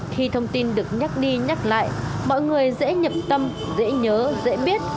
khi thông tin được nhắc đi nhắc lại mọi người dễ nhậm tâm dễ nhớ dễ biết